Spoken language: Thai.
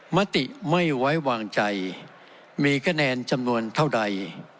มติไม่ไว้วางใจมีคะแนนจำนวนเท่าใด